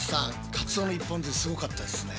カツオの一本釣りすごかったですね。